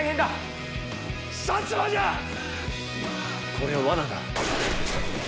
これは罠だ。